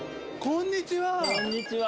こんにちは。